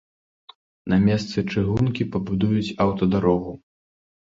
На месцы чыгункі пабудуюць аўтадарогу.